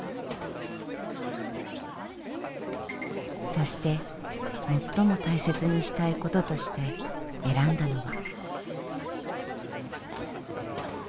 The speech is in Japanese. そして最も大切にしたいこととして選んだのは。